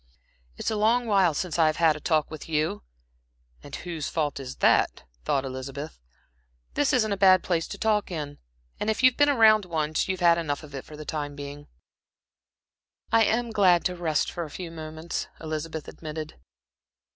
"It's a long while since I've had a talk with you. ('And whose fault is that,' thought Elizabeth.) This isn't a bad place to talk in, and if you've been around once, you've had enough of it for the time being." "I am glad to rest for a few minutes," Elizabeth admitted.